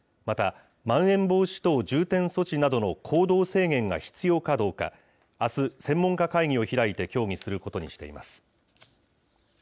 また、まん延防止等重点措置などの行動制限が必要かどうか、あす、専門家会議を開いて協議することにしています。